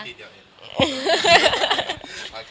ขอบคุณค่ะ